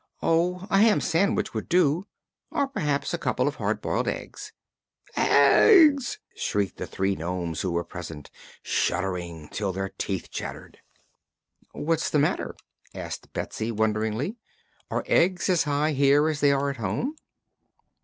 "Oh, a ham sandwich would do, or perhaps a couple of hard boiled eggs " "Eggs!" shrieked the three nomes who were present, shuddering till their teeth chattered. "What's the matter?" asked Betsy wonderingly. "Are eggs as high here as they are at home?"